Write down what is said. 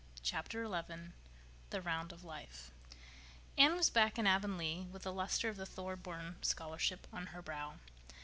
Chapter XI The Round of Life Anne was back in Avonlea with the luster of the Thorburn Scholarship on her brow.